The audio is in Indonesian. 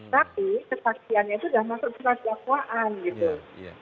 tapi kesaksiannya itu sudah masuk ke dalam dakwaan gitu